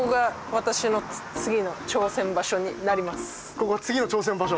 ここが次の挑戦場所。